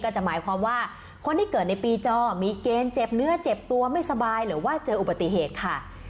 จะหมายความว่าคนที่เกิดในปีจอมีเกณฑ์เจ็บเนื้อเจ็บตัวไม่สบายหรือว่าเจออุบัติเหตุค่ะ